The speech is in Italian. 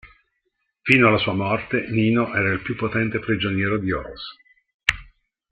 Fino alla sua morte, Nino era il più potente prigioniero di Oz.